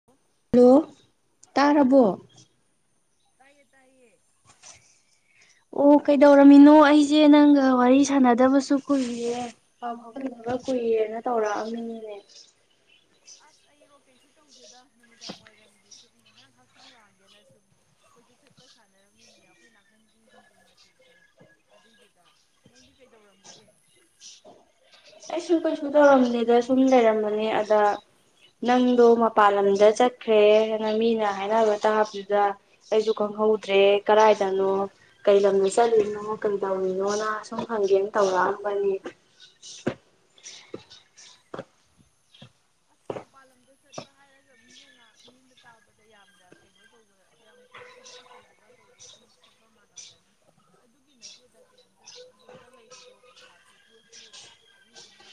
[unintelligible] hello ꯇꯥꯔꯕꯣ ꯇꯥꯏꯌꯦ ꯇꯥꯏꯌꯦ ꯑꯣ ꯀꯩꯗꯧꯔꯝꯃꯤꯅꯣ ꯑꯩꯁꯦ ꯅꯪꯒ ꯋꯥꯔꯤ ꯁꯥꯟꯅꯗꯕꯁꯨ ꯀꯨꯏꯌꯦ [unintelligible] ꯀꯨꯏꯔꯦꯅ ꯇꯧꯔꯛꯑꯃꯤꯅꯤꯅꯦ ꯑꯁ ꯑꯩꯔꯣ ꯀꯩꯁꯨ ꯇꯧꯗꯦꯗ ꯅꯨꯃꯤꯗꯥꯡ ꯋꯥꯏꯔꯝꯒꯤ ꯁꯨꯝ ꯅꯥꯛ ꯍꯛꯆꯤꯡ ꯂꯥꯡꯒꯦꯅ ꯁꯨꯝ ꯑꯩꯈꯣꯏꯗ ꯆꯠꯄ ꯁꯥꯟꯅꯔꯝꯃꯤꯅꯦ ꯑꯩꯈꯣꯏ ꯅꯥꯀꯟꯒꯤ ꯍꯤꯟꯗꯨ ꯃꯆꯦꯀꯣ ꯑꯗꯨꯏꯗꯨꯗ ꯅꯪꯗꯤ ꯀꯩꯗꯧꯔꯝꯃꯤꯒꯦ ꯑꯩꯁꯨ ꯀꯩꯁꯨ ꯇꯧꯔꯝꯗꯦꯗ ꯁꯨꯝ ꯂꯩꯔꯝꯕꯅꯤ ꯑꯗ ꯅꯪꯗꯣ ꯃꯄꯥꯟ ꯂꯝꯗ ꯆꯠꯈ꯭ꯔꯦ ꯅ ꯃꯤꯅ ꯍꯥꯏꯅꯕ ꯇꯥꯕꯗꯨꯗ ꯑꯩꯁꯨ ꯈꯪꯍꯧꯗ꯭ꯔꯦ ꯀꯗꯥꯥꯏꯗꯅꯣ ꯀꯩ ꯂꯝꯅ ꯆꯠꯂꯤꯅꯣ ꯀꯩ ꯗꯧꯔꯤꯅꯣꯅ ꯁꯨꯝ ꯈꯪꯒꯦꯅ ꯇꯧꯔꯛꯑꯝꯕꯅꯤ ꯃꯄꯜꯂꯝꯗ ꯆꯥꯠ ꯆꯄ ꯍꯥꯏꯔꯒ ꯃꯤꯅ ꯉꯥꯛ ꯃꯤꯕ ꯇꯥꯕꯗ ꯌꯥꯝꯅ ꯀꯩꯅꯣ ꯇꯧꯕ ꯌꯥꯝ ꯀꯔꯤ ꯊꯕꯛ ꯑꯆꯧꯕꯒ ꯇꯧꯕꯒ ꯆꯠꯄ ꯃꯥꯂꯝꯒꯅꯤ ꯑꯗꯨꯒꯤ ꯅꯠꯇꯦꯗ ꯀꯩꯝꯇ ꯌꯨꯝꯗ ꯂꯩꯕꯗꯣ ꯄꯩꯁꯥꯁꯨ ꯊꯣꯛꯇꯦ ꯑꯗꯨꯏꯗꯨꯅ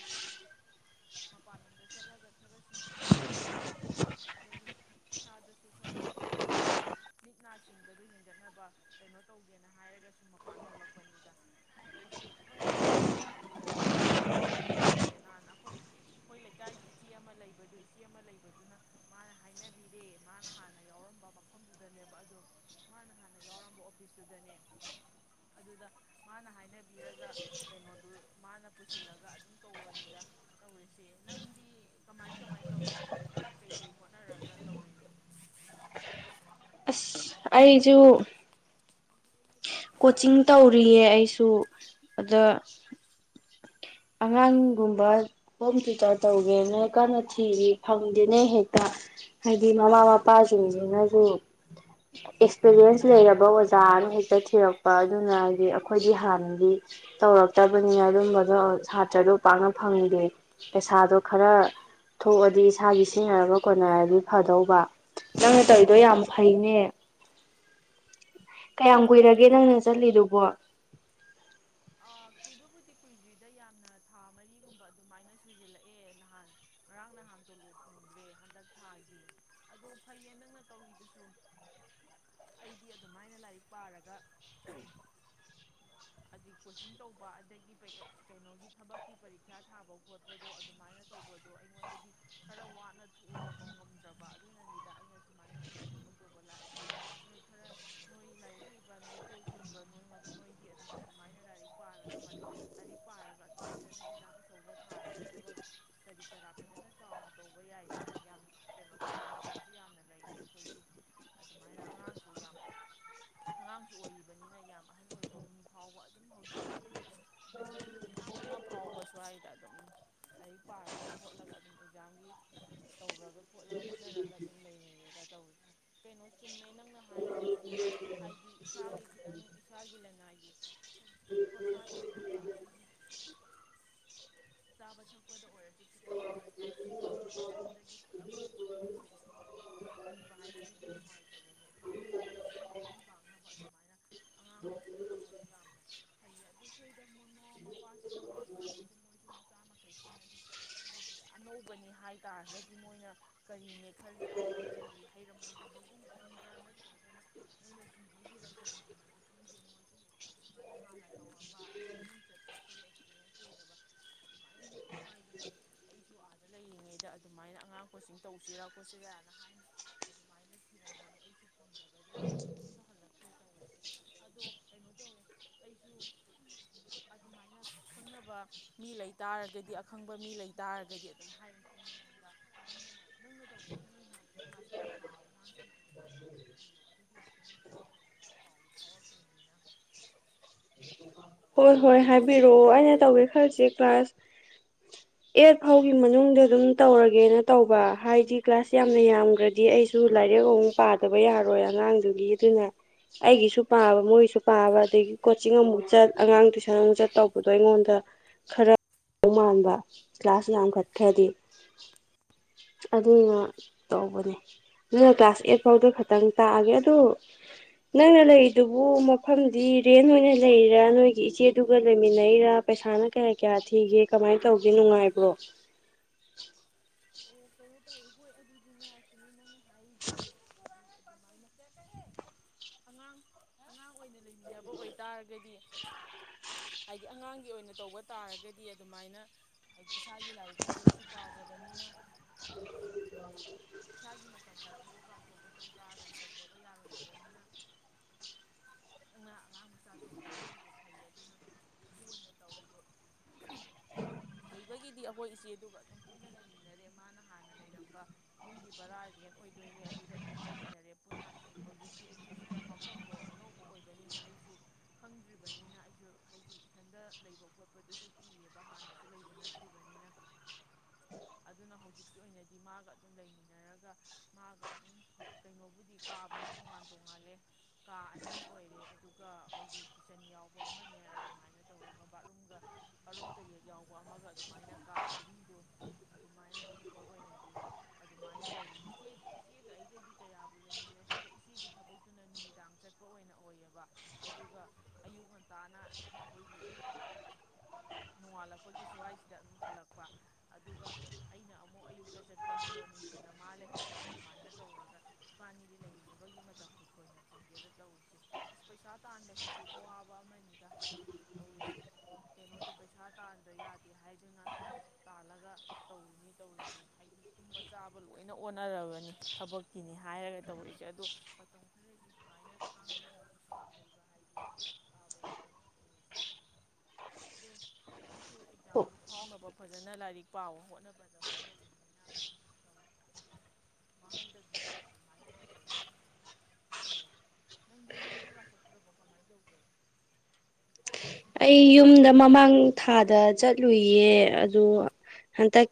ꯃꯄꯥꯟ ꯂꯝꯗ ꯆꯠꯂꯒ ꯑꯗꯨꯒ ꯁꯨꯝ ꯏꯃꯨꯡꯒꯤ ꯃꯇꯦꯡ ꯄꯥꯡꯕ ꯑꯣꯏꯅ ꯑꯗꯒꯤ ꯏꯁꯥꯗꯁꯨ ꯈꯔ ꯁꯨꯝ ꯁꯤꯡꯕ ꯃꯤꯠ ꯅꯥ ꯆꯤꯡꯕꯗꯨ ꯍꯦꯟꯒꯠꯅꯕ ꯀꯩꯅꯣ ꯇꯧꯒꯦꯅ ꯍꯥꯏꯔꯒꯁꯨ ꯃꯄꯥꯟ ꯊꯣꯛꯂꯛꯄꯅꯤꯗ ꯀꯩꯁꯨ ꯈꯪꯗꯦꯗ ꯍꯧꯖꯤꯛ ꯑꯗꯨꯝ ꯊꯕꯛꯄꯨꯗꯤ ꯆꯠꯄꯗꯨ ꯍꯧꯔꯦ ꯅꯍꯥꯟ ꯑꯩꯈꯣꯏ ꯑꯩꯈꯣꯏ ꯂꯩꯀꯥꯏꯒꯤ ꯏꯆꯦ ꯑꯃ ꯂꯩꯕꯗꯨ ꯏꯆꯦ ꯑꯃ ꯂꯩꯕꯗꯨꯅ ꯃꯥꯅ ꯍꯥꯏꯅꯕꯤꯔꯦ ꯃꯥꯅ ꯍꯥꯟꯅ ꯌꯥꯎꯔꯝꯕ ꯃꯐꯝꯗꯨꯗꯅꯦꯕ ꯑꯗꯣ ꯃꯥꯅ ꯍꯥꯟꯅ ꯌꯥꯎꯔꯝꯕ ꯑꯣꯐꯤꯁꯇꯨꯗꯅꯦ ꯑꯗꯨꯗ ꯃꯥꯅ ꯍꯥꯏꯅꯕꯤꯔꯒ ꯀꯩꯅꯣꯗꯨ ꯃꯥꯅ ꯄꯨꯁꯤꯜꯂꯒ ꯑꯗꯨꯝ ꯇꯧꯕꯅꯤꯗ ꯇꯧꯔꯤꯁꯦ ꯅꯪꯗꯤ ꯀꯃꯥꯏ ꯀꯃꯥꯏ ꯇꯧꯔꯤꯅꯣ ꯍꯧꯖꯤꯛꯀꯥꯟ ꯀꯩ ꯀꯩ ꯍꯣꯠꯅꯔꯒ ꯇꯧꯔꯤꯅꯣ ꯑꯁ ꯑꯩꯁꯨ ꯀꯣꯆꯤꯡ ꯇꯧꯔꯤꯌꯦ ꯑꯩꯁꯨ ꯑꯗ ꯑꯉꯥꯡꯒꯨꯝꯕ ꯍꯣꯝ ꯇ꯭ꯌꯨꯇꯔ ꯇꯧꯒꯦ ꯅꯣꯏ ꯀꯟꯅ ꯊꯤꯔꯤ ꯐꯪꯗꯦꯅꯦ ꯍꯦꯛꯇ ꯍꯥꯏꯗꯤ ꯃꯃꯥ ꯃꯄꯥꯁꯤꯡꯁꯤꯅꯁꯨ ꯑꯦꯛꯁꯄꯤꯔꯤꯌꯦꯟꯁ ꯂꯩꯔꯕ ꯑꯣꯖꯥꯅ ꯍꯦꯛ ꯆꯠꯈꯤ ꯊꯤꯔꯛꯄ ꯑꯗꯨꯅ ꯍꯥꯏꯗꯤ ꯑꯩꯈꯣꯏꯗꯤ ꯍꯥꯟꯅꯗꯤ ꯇꯧꯔꯛꯇꯕꯅꯤꯅ ꯑꯗꯨꯝꯕꯗꯣ ꯁꯥꯇ꯭ꯔꯗꯣ ꯄꯥꯛꯅ ꯐꯪꯗꯦ ꯄꯩꯁꯥꯗꯣ ꯈꯔ ꯊꯣꯛꯑꯗꯤ ꯏꯁꯥꯒꯤ ꯁꯤꯡꯟꯅꯔꯒ ꯀꯣꯟꯅꯔꯗꯤ ꯐꯗꯧꯕ ꯅꯪꯅ ꯇꯧꯔꯤꯗꯣ ꯌꯥꯝ ꯐꯩꯅꯦ ꯀꯌꯥꯝ ꯀꯨꯏꯔꯒꯦ ꯅꯪꯅ ꯆꯠꯂꯤꯗꯨꯕꯣ ꯑ ꯀꯨꯏꯕꯕꯨꯗꯤ ꯀꯨꯏꯗ꯭ꯔꯤꯗ ꯌꯥꯝꯅ ꯊꯥ ꯃꯔꯤꯒꯨꯝꯕ ꯑꯗꯨꯃꯥꯏꯅ ꯁꯨꯖꯤꯜꯂꯛꯑꯦ ꯅꯍꯥꯟ ꯉꯔꯥꯡ ꯅꯍꯥꯟ ꯇꯣꯂꯣ ꯐꯪꯗ꯭ꯔꯦ ꯍꯟꯗꯛ ꯊꯥꯒꯤ ꯑꯗꯣ ꯐꯩꯌꯦ ꯅꯪꯅ ꯇꯧꯔꯤꯗꯨꯁꯨ ꯑꯩꯗꯤ ꯑꯗꯨꯃꯥꯏꯅ ꯂꯥꯏꯔꯤꯛ ꯄꯥꯔꯒ ꯑꯗꯒꯤ ꯀꯣꯆꯤꯡ ꯇꯧꯕ ꯑꯗꯒꯤ ꯀꯩꯅꯣꯒꯤ ꯊꯕꯛꯀꯤ ꯄꯔꯤꯈ꯭ꯌꯥ ꯊꯥꯕ ꯈꯣꯠꯄ ꯆꯠꯄꯗꯣ ꯑꯗꯨꯃꯥꯏꯅ ꯇꯧꯕꯗꯣ ꯑꯩꯉꯣꯟꯗꯗꯤ ꯈꯔ ꯋꯥꯅ ꯊꯣꯛꯑꯗꯧꯕ ꯉꯝꯗ꯭ꯔꯕ ꯑꯗꯨꯅꯅꯤꯗ ꯑꯩꯅ ꯑꯗꯨꯃꯥꯏꯅ ꯑꯣꯏꯅ ꯊꯕꯛ ꯇꯧꯕ ꯂꯥꯛꯏꯒ ꯅꯣꯏ ꯈꯔ ꯅꯣꯏ ꯂꯥꯏꯔꯤꯛ ꯍꯩꯕ ꯅꯣꯏ ꯀꯣꯛꯅꯤꯡꯕ ꯅꯣꯏ ꯅꯣꯏꯗꯤ ꯑꯗꯨꯝ ꯑꯗꯨꯃꯥꯏꯅ ꯂꯥꯏꯔꯤꯛ ꯄꯥꯔꯒ ꯂꯥꯏꯔꯤꯛ ꯄꯥꯔꯒ ꯑꯗꯨꯝ ꯐꯖꯅ ꯑꯦꯛꯖꯥꯝ ꯑꯆꯧꯕ ꯊꯥꯔꯒ ꯊꯕꯛ ꯀꯔꯤ ꯀꯔꯥ ꯐꯖꯅ ꯆꯥꯎꯅ ꯇꯧꯕ ꯌꯥꯏꯗ ꯌꯥꯝ ꯀꯩꯅꯣ ꯇꯧꯔꯤ ꯃꯇꯝꯁꯨ ꯌꯥꯝꯅ ꯂꯩꯔꯤ ꯑꯩꯈꯣꯏꯒꯤ ꯑꯗꯨꯃꯥꯏꯅ ꯑꯉꯥꯡꯁꯨ ꯌꯥꯝ ꯑꯉꯥꯡꯁꯨ ꯑꯣꯏꯔꯤꯕꯅꯤꯅ ꯌꯥꯝ ꯑꯍꯟ ꯑꯣꯏꯕ ꯃꯤ ꯐꯥꯎꯕ ꯑꯗꯨꯝ ꯍꯧꯖꯤꯛ ꯑꯩꯈꯣꯏꯗꯒꯤ ꯈꯟꯕ ꯃꯤ ꯃꯌꯥꯝ ꯑꯃ ꯐꯥꯎꯕ ꯁ꯭ꯋꯥꯏꯗ ꯑꯗꯨꯝ ꯂꯥꯏꯔꯤꯛ ꯄꯥꯔꯒ ꯈꯣꯠꯂꯒ ꯑꯗꯨꯝ ꯑꯦꯛꯖꯥꯝꯒꯤ ꯇꯧꯔꯒ ꯈꯣꯠꯂ ꯍꯣꯠꯅꯔꯒ ꯑꯗꯨꯝ ꯂꯩꯅꯩꯌꯦꯗ ꯇꯧꯔꯤꯁꯦ ꯀꯩꯅꯣ ꯆꯨꯝꯃꯦ ꯅꯪꯅ ꯍꯥꯏꯔꯤꯗꯨꯁꯨ ꯍꯥꯏꯗꯤ ꯏꯁꯥꯒꯤ ꯈꯤꯇꯪ ꯏꯁꯥꯒꯤ ꯂꯅꯥꯏꯒꯤ ꯍꯣꯔꯁꯥꯠ ꯑꯣꯏꯅꯕ ꯑꯗꯒꯤ ꯆꯥꯕ ꯊꯛꯄꯗ ꯑꯣꯏꯔꯁꯨ ꯈꯤꯇꯪꯗ ꯑꯣꯏꯔꯁꯨ ꯃꯇꯦꯡ ꯄꯥꯡꯅꯕ ꯌꯨꯝꯗꯒꯤ ꯄꯨꯂꯞ ꯍꯧꯕꯗꯒꯤ ꯂꯣꯏꯕ ꯐꯥꯎꯕ ꯅꯤꯕ ꯍꯥꯏꯕꯗꯨꯗꯤ ꯅꯨꯡꯉꯥꯏꯇꯕꯅꯤ ꯑꯗꯨꯅ ꯏꯁꯥꯗ ꯈꯤꯇꯪ ꯃꯇꯦꯡ ꯄꯥꯡꯅꯕ ꯑꯗꯨꯃꯥꯏꯅ ꯑꯉꯥꯡ ꯀꯣꯆꯤꯡ ꯇꯧꯕꯗꯨ ꯌꯥꯝꯅ ꯐꯩꯌꯦ ꯑꯗꯨ ꯑꯩꯣꯏꯗ ꯃꯃꯥ ꯃꯄꯥꯁꯤꯁꯨ ꯍꯧꯖꯤꯛꯀꯥꯟꯁ ꯃꯣꯏꯁꯨ ꯃꯆꯥ ꯃꯈꯩꯁꯤ ꯍꯥꯏꯗꯤ ꯍꯥꯏꯗꯤ ꯑꯅꯧꯕꯅꯤ ꯍꯥꯏꯇꯥꯥꯔꯒꯗꯤ ꯃꯣꯏꯅ ꯀꯔꯤꯅꯦ ꯈꯜꯜꯂꯤꯦ ꯍꯥꯏꯗꯤ ꯀꯔꯤ ꯍꯥꯏꯔꯝꯃꯣꯏꯗꯕꯒꯨꯝ ꯈꯟꯕ꯭ꯔꯥ ꯅꯠꯇ꯭ꯔꯒꯅ ꯃꯣꯏꯅ ꯀꯤꯕꯒꯤꯔ ꯀꯔꯤꯒꯤꯅꯣꯗꯤ ꯈꯪꯗꯦ ꯃꯣꯏꯁꯨ ꯑꯗꯨꯃꯥꯏꯅ ꯍꯥꯟꯅ ꯇꯧꯔꯝꯕ ꯑꯗꯨꯗꯩ ꯃꯃꯤꯡ ꯆꯠꯄ ꯈꯔ ꯑꯦꯛꯁꯄꯔꯤꯌꯦꯟꯁ ꯂꯩꯔꯕ ꯑꯗꯨꯃꯥꯏꯅ ꯍꯦꯛꯇ ꯍꯥꯏꯕꯅꯤ ꯑꯩꯁꯨ ꯑꯥꯗ ꯂꯩꯔꯤꯉꯩꯗ ꯑꯗꯨꯃꯥꯏꯅ ꯑꯉꯥꯡ ꯀꯣꯆꯤꯡ ꯇꯧꯁꯤꯔꯥ ꯈꯣꯠꯁꯤꯔꯅ ꯍꯥꯏꯅꯩ ꯑꯗꯨꯃꯥꯏꯅ ꯊꯤꯔꯝ ꯃꯥꯜꯅꯤ ꯑꯩꯁꯨ ꯐꯪꯗꯕꯗꯒꯤ ꯑꯗꯨꯝ ꯌꯨꯝꯗ ꯍꯜꯂꯛꯛꯇ꯭ꯔꯦ ꯇꯧꯋꯁꯦ ꯑꯗꯣ ꯀꯩꯅꯣ ꯇꯧꯋꯦ ꯑꯩꯁꯨ ꯑꯗꯨꯃꯥꯏꯅ ꯈꯪꯅꯕ ꯃꯤ ꯂꯩ ꯇꯥꯔꯒꯗꯤ ꯑꯈꯪꯕ ꯃꯤ ꯂꯩ ꯇꯥꯔꯒꯗꯤ ꯑꯗꯨꯝ ꯍꯥꯏꯔꯛꯀꯦ ꯣꯟꯪ ꯅꯪꯅ ꯇꯧꯒꯦ ꯈꯪꯉꯅ ꯀ꯭ꯂꯥꯁ ꯀꯌꯥ ꯀꯌꯥꯒꯤ ꯑꯉꯥꯡꯁꯤꯡ ꯑꯗꯨꯃꯥꯏꯅ ꯑꯣꯏꯗꯣꯔꯤꯅꯣ ꯑꯗꯨꯒꯤ ꯃꯇꯨꯡ ꯏꯟꯅ [unintelligible] ꯍꯣꯏ ꯍꯣꯏ ꯍꯥꯏꯕꯤꯔꯛꯑꯣ ꯑꯩꯅ ꯇꯧꯒꯦ ꯈꯜꯁꯦ ꯀ꯭ꯂꯥꯁ ꯑꯩꯠ ꯐꯥꯎꯒꯤ ꯃꯅꯨꯡꯗ ꯑꯗꯨꯝ ꯇꯧꯔꯒꯦꯅ ꯇꯧꯕ ꯍꯥꯏꯗꯤ ꯀ꯭ꯂꯥꯁ ꯌꯥꯝꯅ ꯌꯥꯝꯈ꯭ꯔꯗꯤ ꯑꯩꯁꯨ ꯑꯗꯨꯨ ꯂꯥꯏꯔꯤꯛ ꯑꯍꯨꯛ ꯄꯥꯗꯕ ꯌꯥꯔꯣꯏ ꯑꯉꯥꯡꯗꯨꯒꯤ ꯑꯗꯨꯅ ꯑꯩꯒꯤꯁꯨ ꯄꯥꯕ ꯃꯣꯏꯁꯨ ꯄꯥꯕ ꯑꯗꯒꯤ ꯀꯣꯆꯤꯡ ꯑꯃꯨꯛ ꯆꯠ ꯑꯉꯥꯡ ꯇ ꯁ ꯃꯨꯆꯠ ꯇꯧꯕꯗꯣ ꯑꯩꯉꯣꯟꯗ ꯈꯔ [inaudible] ꯃꯥꯟꯕ ꯀ꯭ꯂꯥꯁ ꯌꯥꯝꯈꯠꯈ꯭ꯔꯗꯤ ꯑꯗꯨꯅ ꯇꯧꯕꯅꯦ ꯅꯪꯅ ꯀ꯭ꯂꯥꯁ ꯑꯦꯠ ꯐꯥꯎꯗ ꯈꯛꯇꯪ ꯇꯥꯛꯑꯒꯦ ꯑꯗꯨ ꯅꯪꯅ ꯂꯩꯔꯤꯗꯨꯕꯨ ꯃꯐꯝꯗꯤ ꯔꯦꯟ ꯑꯣꯏꯅ ꯂꯩꯔꯤꯔꯥ ꯅꯣꯏ ꯒꯤ ꯏꯆꯦꯗꯨꯒ ꯂꯩꯃꯤꯟꯅꯩꯔꯥ ꯄꯩꯁꯥꯅ ꯀꯌꯥ ꯀꯌꯥ ꯊꯤꯒꯦ ꯀꯃꯥꯏꯅ ꯇꯧꯒꯦ ꯅꯨꯡꯉꯥꯏꯕ꯭ꯔꯣ ꯑꯣ ꯀꯩꯅꯣ ꯇꯧꯋ‌ꯦ ꯍꯣꯏ ꯑꯗꯨꯗꯤꯅꯦ ꯆꯨꯝꯃ‌ꯦ ꯅꯪꯅ ꯍꯥꯏꯔꯤꯗꯨꯁꯨ [unintelligible] ꯑꯉꯥꯡ ꯑꯉꯥꯡ ꯑꯣꯏꯅ ꯂꯩꯃꯤꯟꯅꯕ ꯑꯣꯏꯇꯥꯔꯒꯗꯤ ꯍꯥꯏꯗꯤ ꯑꯉꯥꯡꯒꯤ ꯑꯣꯏꯅ ꯇꯧꯕ ꯇꯥꯔꯒꯗꯤ ꯑꯗꯨꯃꯥꯏꯅ ꯍꯥꯏꯗꯤ ꯏꯁꯥꯒꯤ ꯂꯥꯏꯔꯤꯛ ꯍꯥꯏꯕꯗꯨꯁꯨ ꯄꯥꯖ ꯕꯅꯤꯅ [unintelligible] ꯏꯁꯥꯒꯤ ꯃꯇꯝ ꯀꯥꯏꯊꯣꯛꯑꯒ ꯑꯆꯧꯕ ꯇꯧ ꯇꯥꯔꯒꯗꯤ ꯇꯧꯗꯕ ꯌꯥꯔꯣꯏꯗꯕꯅꯤꯅ ꯅꯪꯅ ꯑꯉꯥꯡ ꯃꯆꯥ ꯇꯧꯒꯦ ꯍꯥꯏꯔꯤꯗꯣ ꯐꯩꯌꯦ ꯑꯗꯨꯅ ꯑꯗꯨ ꯑꯣꯏꯅ ꯇꯧꯔꯤꯗꯣ ꯂꯩꯕꯒꯤꯗꯤ ꯑꯩꯈꯣꯏ ꯏꯆꯦꯗꯨꯒ ꯑꯗꯨꯝ ꯄꯨꯟꯅ ꯂꯩꯃꯤꯟꯅꯔꯦ ꯃꯥꯅ ꯍꯥꯟꯅ ꯂꯩꯔꯝꯕ ꯌꯨꯝꯒꯤ ꯕꯔꯥ ꯔ‌ꯦꯟ ꯑꯣꯏꯗꯣꯏꯅꯦ ꯑꯗꯨꯗ ꯑꯗꯨꯝ ꯂꯩꯃꯤꯟꯅꯔꯦ ꯄꯨꯟꯅ ꯍꯧꯖꯤꯛꯇꯤ ꯑꯩꯁꯨ ꯁꯤꯗ ꯃ ꯐꯝꯗꯣ ꯑꯅꯧꯕ ꯑꯣꯏꯕꯅꯤꯅ ꯑꯩꯁꯨ ꯈꯪꯗ꯭ꯔꯤꯕꯅꯤꯅ ꯑꯩꯁꯨ ꯍꯥꯏꯗꯤ ꯏꯊꯟꯗ ꯂꯩꯕ ꯈꯣꯠꯄꯗꯨꯁꯨ ꯀꯤꯌ‌ꯦꯕ ꯍꯥꯟꯅꯁꯨ ꯂꯩꯕ ꯅꯠꯇ꯭ꯔꯤꯕꯅꯤꯅ ꯑꯗꯨꯅ ꯍꯧꯖꯤꯛꯀꯤ ꯑꯣꯏꯅꯗꯤ ꯃꯥꯒ ꯑꯗꯨꯝ ꯂꯩꯃꯤꯟꯅꯔꯒ ꯃꯥꯒ ꯑꯗꯨꯝ ꯀꯩꯅꯣꯕꯨꯗꯤ ꯀꯥꯕꯨꯗꯤ ꯇꯣꯉꯥꯟ ꯇꯣꯡꯉꯥꯜꯂꯦ ꯀꯥ ꯑꯅꯤ ꯑꯣꯏꯔꯦ ꯑꯗꯨꯒ ꯑꯩꯈꯣꯏꯒꯤ ꯀꯤꯠꯆꯟ ꯌꯥꯎꯕ ꯑꯃꯅꯦ ꯑꯗꯨꯃꯥꯏꯅ ꯇꯧꯔꯒ ꯕꯥꯠꯔꯨꯝꯒ ꯕꯥꯠꯔꯨꯝ ꯇꯣꯏꯂꯦꯠ ꯌꯥꯎꯕ ꯑꯃꯒ ꯑꯗꯨꯃꯥꯏꯅ ꯀꯥ ꯃꯔꯤꯗꯣ ꯑꯗꯨꯃꯥꯏꯅ ꯍꯧꯖꯤꯛꯀꯤ ꯑꯣꯏꯅꯗꯤ ꯑꯗꯨꯃꯥꯏꯅ ꯂꯩꯔꯤ ꯏꯆꯦ ꯏꯆꯦꯒ ꯑꯩꯒꯗꯤ ꯀꯌꯥꯕꯨ ꯂꯩꯃꯤꯟꯅꯗꯦꯗ ꯏꯆꯦꯒꯤ ꯊꯕꯛꯇꯨꯅ ꯅꯨꯃꯤꯗꯥꯡ ꯆꯠꯄ ꯑꯣꯏꯅ ꯑꯣꯏꯌꯦꯕ ꯑꯗꯨꯒ ꯑꯌꯨꯛ ꯉꯟꯇꯥꯅ ꯑꯩꯈꯣꯏꯒꯤ ꯅꯣꯡꯉꯥꯜꯂꯛꯄꯒꯤ ꯁ꯭ꯋꯥꯏꯁꯤꯗ ꯑꯗꯨꯝ ꯍꯜꯂꯛꯄ ꯑꯗꯨꯒ ꯑꯩꯅ ꯑꯃꯨꯛ ꯑꯌꯨꯛꯇ ꯆꯠꯄꯅꯤꯗꯣ ꯅꯨꯡꯊꯤꯅ ꯃꯥ ꯂꯩꯍꯧꯕ ꯑꯗꯨꯃꯥꯏꯅ ꯇꯧꯔꯒ ꯏꯕꯥꯅꯤꯗꯤ ꯂꯩꯃꯤꯟꯅꯕꯒꯤ ꯃꯇꯝꯕꯨ ꯊꯣꯏꯅ ꯐꯪꯗ‌ꯦꯗ ꯇꯧꯔꯤꯁꯦ ꯑꯁ ꯄꯩꯁꯥ ꯇꯥꯟꯕꯁꯤꯁꯨ ꯑꯋꯥꯕ ꯑꯃꯅꯤꯗ ꯇꯧꯔꯤꯁꯤ ꯀꯩꯅꯣꯗꯤ ꯄꯩꯁꯥ ꯇꯥꯟꯗ ꯌꯥꯗꯦ ꯍꯥꯏꯗꯨꯅ ꯇꯥꯜꯂꯒ ꯇꯧꯔꯤꯅꯤ ꯇꯧꯔꯤꯅꯤ ꯍꯥꯏꯗꯤ ꯇꯨꯝꯕ ꯆꯥꯕ ꯂꯣꯏꯅ ꯑꯣꯟꯅꯔꯕꯅꯤ ꯊꯕꯛꯀꯤꯅꯤ ꯍꯥꯏꯔꯒ ꯇꯧꯔꯤꯁꯦ ꯑꯗꯣ ꯃꯇꯝ ꯈꯔꯗꯤ ꯁꯨꯃꯥꯏꯅ ꯈꯥꯡꯉꯒ ꯂꯩꯕ ꯍꯥꯏꯗꯨ ꯇꯥꯕꯅꯤꯗꯟ ꯑꯗꯣ ꯅꯪꯁꯨ ꯑꯣ ꯑꯦꯛꯖꯥꯝꯗꯨ ꯐꯥꯎꯅꯕ ꯐꯖꯅ ꯂꯥꯏꯔꯤꯛ ꯄꯥꯎ ꯍꯣꯠꯅꯕꯗ ꯍꯣꯠꯅꯔꯤꯅꯤ [inaudible] ꯃꯇꯝ ꯃꯥꯡꯍꯟꯗꯕꯤꯗ ꯑꯗꯨꯃꯥꯏꯅ ꯇꯧꯔꯒ ꯇꯧ ꯅꯪꯗꯤ ꯌꯨꯝꯗꯒ ꯆꯠꯇ꯭ꯔꯕꯣ ꯀꯃꯥꯏꯟ ꯇꯧꯒꯦ ꯑꯩ ꯌꯨꯝꯗ ꯃꯃꯥꯡ ꯊꯥꯗ ꯆꯠꯂꯨꯏꯌꯦ ꯑꯗꯨ ꯍꯟꯇꯛ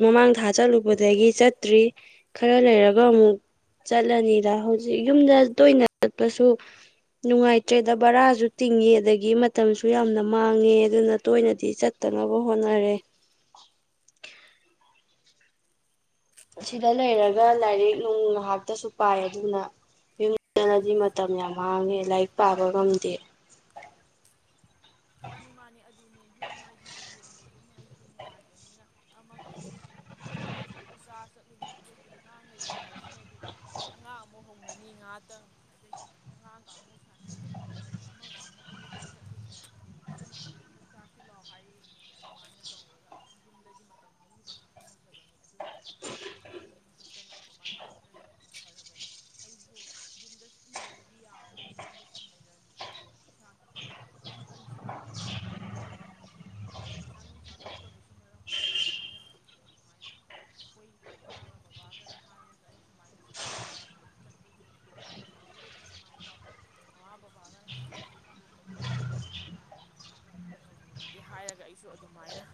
ꯃꯃꯥꯡ ꯊꯥ ꯆꯠꯂꯨꯕꯗꯒꯤ ꯆꯠꯇ꯭ꯔꯤ ꯈꯔ ꯂꯩꯔꯒ ꯑꯃꯨꯛ ꯆꯠꯂꯅꯤꯗ ꯍꯧꯖꯤꯛ ꯌꯨꯝꯗ ꯇꯣꯏꯅ ꯆꯠꯄꯁꯨ ꯅꯨꯡꯉꯥꯏꯇ꯭ꯔꯦꯗ ꯕꯔꯥꯁꯨ ꯇꯤꯡꯉꯤ ꯑꯗꯒꯤ ꯃꯇꯝꯁꯨ ꯌꯥꯝꯅ ꯃꯥꯡꯉꯦ ꯑꯗꯨꯅ ꯇꯣꯏꯅꯗꯤ ꯆꯠꯇꯅꯕ ꯍꯣꯠꯅꯔꯦ ꯑꯁꯤꯗ ꯂꯩꯔꯒ ꯂꯥꯏꯔꯤꯛ ꯅꯨꯡ ꯉꯥꯍꯥꯛꯇꯁꯨ ꯄꯥꯏ ꯑꯗꯨꯅ ꯌꯨꯝ ꯆꯠꯂꯗꯤ ꯃꯇꯝ ꯌꯥꯝ ꯃꯥꯡꯉꯦ ꯂꯥꯏꯔꯤꯛ ꯄꯥꯕ ꯉꯝꯗꯦ ꯃꯥꯅꯤ ꯃꯥꯅꯤ ꯑꯗꯨꯅꯦ ꯌꯨꯝ ꯍꯥꯏꯁꯤꯗꯤ ꯌꯨꯝꯅꯦ ꯌꯨꯝ ꯍꯥꯏꯁꯤꯗꯤ ꯅꯨꯡꯉꯥꯏꯕꯅꯤꯅ ꯑꯃꯒ ꯑꯃꯨꯛ ꯉꯥꯍꯥꯛꯇꯪ ꯑꯗꯨ ꯆꯥ ꯆꯠꯂꯨꯅꯤ ꯑꯗꯩ ꯑꯉꯥꯡ ꯂꯩꯕ ꯍꯥꯏꯁꯤꯅꯗꯤ ꯑꯗꯩ ꯑꯉꯥꯡ ꯑꯃꯨꯛ ꯍꯧꯔꯅꯤ ꯉꯍꯥꯥꯛꯇꯪ ꯑꯗꯒꯤ ꯑꯉꯥꯡꯒ ꯑꯃꯨꯛ ꯁꯥꯟꯅꯔꯤꯉꯩ ꯑꯗꯒꯤ ꯑꯃꯒ ꯑꯃꯨꯛ ꯑꯗꯨꯗ ꯆꯠꯂꯤꯉꯩ ꯑꯗꯨꯅ ꯑꯗꯨ ꯑꯃꯨꯛ ꯆꯥꯁꯤꯜꯂ‌ꯣ ꯍꯥꯏꯔꯛꯏ [unintelligible] ꯑꯗꯨꯃꯥꯏꯅ ꯇꯧꯔꯒ ꯑꯗꯨꯝ ꯌꯨꯝꯗꯗꯤ ꯃꯇꯝ ꯍꯧꯈꯤꯕꯁꯤ ꯈꯪꯍꯧꯗꯕꯅꯤ ꯑꯗꯨꯅ ꯃꯇꯝ ꯈꯔ ꯌꯨꯝ ꯆꯠ ꯇꯅ ꯑꯗꯨꯃꯥꯏꯅ ꯍꯣꯠꯅꯔꯤꯗꯨꯁꯨ ꯐꯔꯕꯅꯤ ꯑꯩꯁꯨ ꯌꯨꯝꯗ ꯁꯨꯝ ꯂꯩꯔꯗꯤ ꯌꯥꯔꯔꯣꯏ ꯌꯨꯝꯗ ꯁꯨꯝ ꯂꯩꯔꯗꯤ ꯏꯁꯥꯁꯤꯁꯨ ꯄꯪꯁꯤꯜꯂꯛꯑꯦ ꯑꯗꯨꯒ ꯄꯩꯁꯥ ꯅꯨꯡꯁꯥ ꯊꯣꯛꯇꯕꯁꯨ ꯃꯔꯝ ꯑꯣꯏꯔꯒ ꯍꯥꯏꯔꯒ ꯑꯩꯁꯨ ꯑꯗꯨꯃꯥꯏꯅ ꯑꯩꯈꯣꯏ ꯏꯃꯥꯒ ꯕꯕꯥꯒꯗ ꯍꯥꯏꯔꯒ ꯑꯩ ꯁꯨꯃꯥꯏꯅ ꯆꯠꯇꯕ ꯌꯥꯗꯦ ꯆꯠꯄꯒꯤ ꯇꯤꯛꯀꯦꯠ ꯄꯩꯁꯥꯗꯨꯗꯗꯤ ꯏꯃꯥ ꯏꯄꯥꯕꯨ ꯃꯃꯥ ꯕꯕꯥꯒꯅ ꯄꯨꯊꯣꯛꯄꯤꯌꯨ ꯑꯇꯣꯞꯄꯗꯤ ꯑꯩ ꯑꯗꯨꯝ ꯃꯈꯥ ꯇꯥꯅ ꯉꯝ ꯇꯧꯔꯨꯔꯒꯦ ꯍꯥꯏꯔꯒ ꯑꯩꯁꯨ ꯑꯗꯨꯃꯥꯏꯅ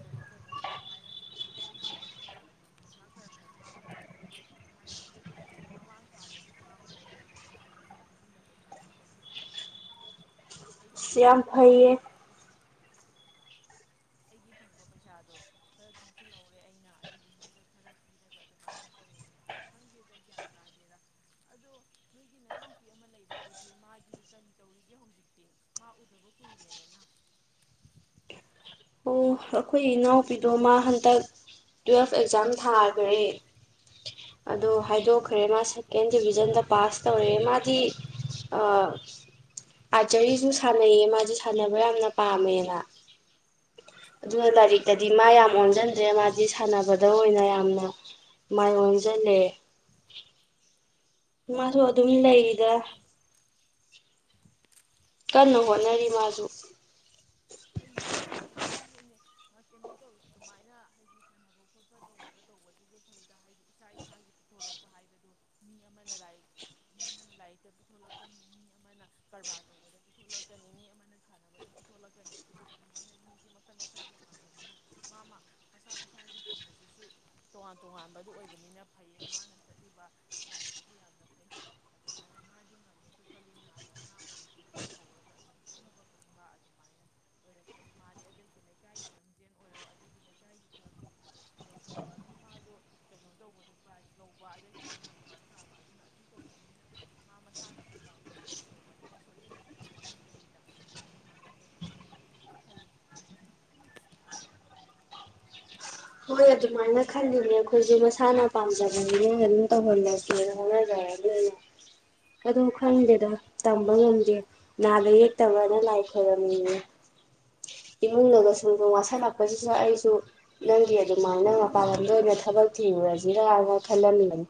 ꯀꯩꯅꯣ ꯇꯧꯔꯝꯃꯤ ꯍꯥꯏꯔꯝꯃꯤ ꯑꯩꯁꯨ ꯃꯣꯏꯗ ꯄꯩꯁꯥ ꯈꯔ ꯈꯔ ꯊꯥꯕꯗꯤ ꯉꯝꯃꯦ ꯍꯟꯗꯛ ꯣꯏ ꯃꯃꯥꯡ ꯊꯥꯗꯒꯤ ꯊꯥꯕ ꯍꯧꯔꯦ ꯃꯣꯏꯗ ꯑꯩꯒꯤ ꯆꯨꯡꯁꯤꯟꯕ ꯄꯩꯁꯥ ꯄꯤꯖꯔꯤ ꯑꯩꯒꯤ ꯑꯁ ꯌꯥꯝ ꯅꯆꯅꯁꯤꯡꯨꯡꯁꯤ ꯐꯩꯌꯦ ꯂꯧꯔꯦ ꯑꯩꯒꯤ ꯐꯝ ꯑꯩꯒꯤ ꯐꯪꯕ ꯄꯩꯁꯥꯗꯣ ꯈꯔ ꯆꯪꯁꯤꯜꯍꯧꯔꯦ ꯑꯩꯅ ꯑꯗꯨꯗꯒꯤ ꯃꯣꯏꯗ ꯈꯔ ꯄꯤ ꯁꯤꯅꯒ ꯑꯗꯨꯃꯥꯏꯅ ꯇꯧꯋꯦꯅꯦ ꯈꯪꯗꯦꯗ ꯒ꯭ꯌꯥꯟ ꯇꯥꯗꯦꯗ ꯑꯗꯣ ꯅꯣꯏꯒꯤ ꯅꯅꯥꯎꯄꯤ ꯑꯃ ꯂꯩꯕꯗꯨꯗꯤ ꯃꯥꯗꯤ ꯀꯔꯤ ꯇꯧꯔꯤꯒꯦ ꯍꯧꯖꯤꯛꯇꯤ ꯃꯥ ꯎꯗꯕ ꯍꯨꯏꯔꯦꯅꯅ ꯑꯣ ꯑꯩꯈꯣꯏ ꯏꯅꯥꯎꯄꯤꯗꯣ ꯃꯥ ꯍꯟꯗꯛ ꯇꯨꯋꯦꯜꯐ ꯑꯦꯛꯖꯥꯝ ꯊꯥꯈ꯭ꯔꯦ ꯑꯗꯨ ꯍꯥꯏꯗꯣꯛꯈ꯭ꯔꯦ ꯃꯥ ꯁꯦꯀꯦꯟ ꯗꯤꯚꯖꯟꯗ ꯄꯥꯁ ꯇꯧꯔꯑꯦ ꯃꯥꯗꯤ ꯑꯥꯔꯆꯔꯤꯁꯨ ꯁꯥꯟꯅꯩꯌꯦ ꯃꯥꯁꯦ ꯁꯥꯟꯅꯕ ꯌꯥꯝꯅ ꯄꯥꯝꯃꯦꯅ ꯑꯗꯨꯒ ꯂꯥꯏꯔꯤꯛꯇꯗꯤ ꯃꯥ ꯌꯥꯝ ꯑꯣꯟꯁꯤꯟꯗ꯭ꯔꯦ ꯃꯥꯗꯤ ꯁꯥꯟꯅꯕꯗ ꯑꯣꯏꯅ ꯌꯥꯝꯅ ꯃꯥꯏ ꯑꯣꯟꯁꯤꯜꯂꯦ ꯃꯥꯁꯨ ꯑꯗꯨꯝ ꯐꯩꯅꯦ ꯐꯩꯅꯦ ꯂꯩꯔꯤꯗ ꯑꯗꯨꯁꯨ ꯀꯟꯅ ꯍꯣꯠꯅꯔꯤ ꯃꯥꯁꯨ ꯐꯩꯅꯦ ꯑꯗꯨꯅꯦ ꯅꯣꯏ ꯍꯦꯅꯦ ꯃꯥ ꯀꯩꯅꯣ ꯇꯧꯋꯤ ꯑꯗꯨꯃꯥꯏꯅ ꯍꯥꯏꯗꯤ ꯁꯥꯟꯅꯕ ꯈꯣꯠꯄ ꯇꯧꯔꯒ ꯇꯧꯕꯁꯤꯁꯨ ꯐꯩꯗ ꯍꯥꯏꯗꯤ ꯏꯁꯥ ꯏꯁꯥꯒꯤ ꯄꯨꯤꯊꯣꯔꯛꯄ ꯍꯥꯏꯕꯗꯨ ꯃꯤ ꯑꯃꯅ ꯂꯥꯏꯛ ꯃꯤ ꯑꯃꯅ ꯂꯥꯏꯔꯤꯛꯇ ꯄꯤꯊꯂꯛꯀꯅꯤ ꯃꯤ ꯑꯃꯅ ꯀꯔꯕꯥꯔ ꯇꯧꯕꯗ ꯄꯤꯊꯣꯛꯂꯛꯀꯅꯤ ꯃꯤ ꯑꯃꯅ ꯁꯥꯟꯅꯕꯗ ꯄꯤꯊꯣꯛꯂꯛꯀꯅꯤ ꯑꯗꯨ ꯑꯗꯨꯃꯥꯏꯅ ꯃꯤꯁꯦ ꯃꯈꯟ ꯃꯈꯟ ꯇꯣꯉꯥꯟꯕꯅꯤꯅ ꯃꯥ ꯃꯥ ꯃꯁꯥ ꯃꯁꯥꯒꯤ ꯍꯩꯕꯁꯤꯁꯨ ꯇꯣꯉꯥꯟ ꯇꯣꯉꯥꯟꯕꯗꯨ ꯑꯣꯏꯕꯅꯤꯅ ꯐꯩꯌꯦ ꯃꯥꯅ ꯆꯠꯂꯤꯕ ꯂꯥꯏꯟꯗꯨꯁꯨ ꯌꯥꯝꯅ ꯐꯩ ꯑꯗꯨꯃꯥꯏꯅ ꯃꯥꯗꯤ ꯉꯝꯃꯦꯁꯨ ꯈꯜꯂꯤ ꯅꯍꯥꯟꯋꯥꯏ ꯑꯉꯥꯡ ꯑꯣꯏꯔꯤ ꯗꯒꯤ ꯍꯧꯔꯒ ꯑꯗꯨꯝ ꯍꯣꯠꯅꯕ ꯀꯟꯕ ꯑꯗꯨꯃꯥꯏꯅ ꯑꯣꯏꯔꯛꯄꯅꯤ ꯃꯥꯗꯤ ꯑꯗꯒꯤ ꯂꯩꯀꯥꯏꯒꯤ ꯂꯝꯖꯦꯟ ꯑꯣꯏꯔꯣ ꯑꯗꯒꯤ ꯂꯩꯀꯥꯏꯒꯤ ꯀ꯭ꯂ ꯄꯣꯔꯠ ꯇꯧꯕ ꯑꯗꯨꯝ ꯃꯥꯗꯣ ꯀꯩꯅꯣ ꯇꯧꯕꯗꯣ ꯄ꯭ꯔꯥꯏꯖ ꯂꯧꯕ ꯑꯗꯒꯤ ꯃꯥꯅ ꯐꯥꯔꯥꯁ ꯇꯥꯕ ꯑꯗꯨꯅ ꯑꯗꯨꯝ ꯇꯧꯕꯅꯤꯅ ꯃꯥ ꯃꯁꯥꯅ ꯁꯨ ꯄꯥꯝꯖꯔꯒꯁꯨ ꯇꯣꯡꯧꯕꯅꯤꯅ ꯁꯣꯏꯗꯅꯁꯨ ꯃꯥꯏ ꯄꯥꯛꯇꯅꯤꯗ ꯑꯗꯨꯃꯥꯏꯅ ꯇꯧꯕ ꯈꯜꯂꯤ ꯍꯣꯏ ꯑꯗꯨꯃꯥꯏꯅ ꯈꯜꯂꯤꯅꯦ ꯑꯩꯈꯣꯏꯁꯦ ꯃꯁꯥꯅ ꯄꯥꯝꯖꯕꯅꯤ ꯑꯗꯨꯝ ꯇꯧꯍꯜꯂ ꯀꯩꯅꯣ ꯈꯪꯗꯦꯗ ꯇꯝꯕ ꯉꯝꯗꯦ ꯅꯥꯗ ꯌꯦꯛꯇꯕꯅ ꯂꯥꯏ ꯈꯣꯏꯔꯝꯃꯤꯉ ꯏꯃꯨꯡꯒ ꯁꯨꯝꯗ ꯋꯥꯁꯜꯂꯛꯄꯁꯤꯁꯨ ꯑꯩꯁꯨ ꯅꯪꯒꯤ ꯑꯗꯨꯃꯥꯏꯅ ꯃꯄꯥꯟ ꯂꯝꯗ ꯑꯣꯏꯅ ꯊꯕꯛ ꯊꯤꯔꯨꯔꯁꯤꯔꯥꯅ ꯈꯜꯍꯜꯂꯅꯤ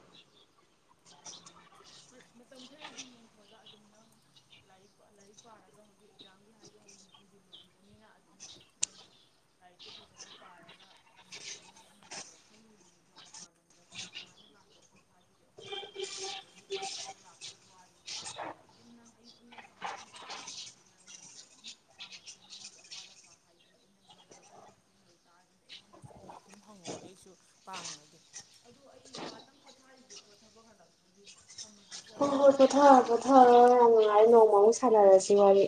ꯃꯇꯝ ꯈꯔꯗꯤ ꯌꯦꯡꯊꯣꯛꯑꯒ ꯑꯗꯨꯝ ꯅꯪ ꯂꯥꯏꯔꯤꯛ ꯂꯥꯏꯔꯤꯛ ꯄꯥꯔꯒ ꯍꯧꯖꯤꯛ ꯑꯦꯛꯖꯥꯝꯒꯤ ꯍꯥꯏꯗꯨ ꯍꯧꯖꯤꯂꯨꯈꯤꯕꯅꯤꯅ ꯑꯗꯨꯝ ꯅꯪ ꯂꯥꯏꯔꯤꯛꯇꯨ ꯐꯖꯅ ꯄꯥꯔꯒ ꯑꯗꯨꯝ ꯐꯖꯅ ꯑꯅꯧꯕꯗꯣ ꯈꯜꯂꯨꯅꯤꯅ ꯄꯒꯗ ꯁꯃꯥꯏꯅ ꯂꯥꯛꯄ ꯈꯣꯠꯄ ꯍꯥꯏꯁꯤꯗꯤ ꯑꯩꯈꯣꯏꯗꯤ ꯎꯄꯥꯏ ꯂꯩꯇ꯭ꯔꯤꯕꯁꯤꯗ ꯑꯗꯨꯃꯥꯏꯅ ꯂꯥꯛꯄꯒꯤ ꯋꯥꯔꯤꯔ ꯍꯥꯏꯗ ꯑꯗꯨꯝ ꯅꯪ ꯑꯩ ꯑꯩꯅꯁꯨ ꯃꯇꯦꯡ ꯄꯥꯡꯕ ꯉꯝꯕꯒꯤ ꯃꯔꯝ ꯅ ꯑꯗꯨꯝ ꯄꯥꯡꯉꯛꯀꯦ ꯅꯪꯒꯤ ꯑꯋꯥꯠ ꯑꯄꯥ ꯍꯥꯏꯗꯤ ꯑꯩꯅ ꯉꯝꯒꯗꯕ ꯃꯇꯦꯡ ꯂꯩꯇꯥꯔꯒꯗꯤ ꯑꯩꯉꯣꯟꯗꯁꯨ ꯑꯗꯨꯝ ꯍꯪꯉꯛꯑꯣ ꯑꯩꯁꯨ ꯄꯥꯡꯉꯒꯦ ꯑꯗꯣ ꯑꯩ ꯉꯥꯏꯍꯥꯛꯇꯪ ꯄꯣꯠꯊꯥꯔꯒꯦ ꯊꯕꯛ ꯍꯜꯂꯛꯄꯒꯤ ꯊꯝꯃꯒꯦꯀꯣ ꯄꯣꯠꯊꯥꯔꯣ ꯄꯣꯠꯊꯥꯔꯣ ꯌꯥꯝ ꯅꯨꯡꯉꯥꯏꯔꯦ ꯅꯣꯡꯃ ꯑꯃꯨꯛ ꯁꯥꯟꯅꯔꯁꯤ ꯋꯥꯔꯤ